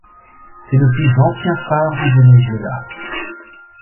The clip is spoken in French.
C'est le plus ancien phare du Vénézuéla.